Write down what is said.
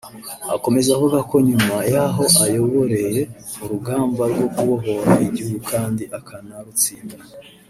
Akomeza avuga ko nyuma y’aho ayoboreye urugamba rwo kubohora igihugu kandi akanarutsinda